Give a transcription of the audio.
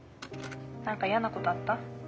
☎何か嫌なことあった？